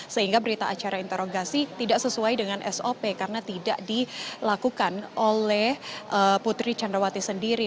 sehingga berita acara interogasi tidak sesuai dengan sop karena tidak dilakukan oleh putri candrawati sendiri